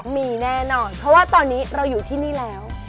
มีแน่นอนเพราะว่าตอนนี้เราอยู่ที่นี่แล้ว